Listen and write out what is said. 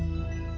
masya allah arief